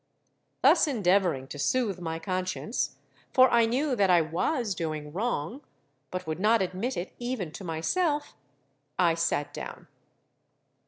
'—Thus endeavouring to soothe my conscience—for I knew that I was doing wrong, but would not admit it even to myself—I sate down.